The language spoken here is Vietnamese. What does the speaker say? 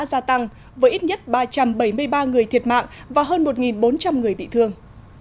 gia tăng với ít nhất ba trăm bảy mươi ba người thiệt mạng và hơn một bốn trăm linh người bị thương